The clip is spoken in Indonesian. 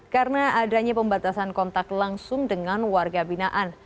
karena adanya pembatasan kontak langsung dengan warga binaan